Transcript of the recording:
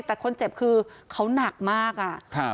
แต่คนเจ็บคือเขาหนักมากอะ